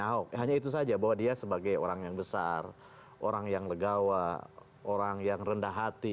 tapi kalau saya bilang seperti itu saya tidak akan menyebutnya sebagai orang yang besar orang yang legawa orang yang rendah hati